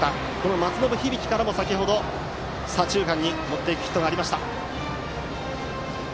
松延響からも先程、左中間に持っていくヒットがありました。